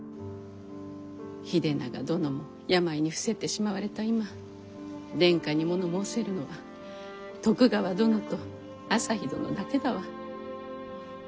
秀長殿も病に伏せってしまわれた今殿下にもの申せるのは徳川殿と旭殿だけだわ。